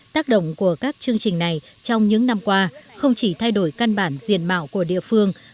tác động của các chương trình này trong những năm qua không chỉ thay đổi căn bản diện mạo của địa phương